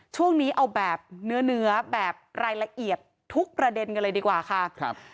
ช่วงนี้เอาแบบเนื้อแบบรายละเอียดทุกประเด็นกันเลยดีกว่าค่ะครับ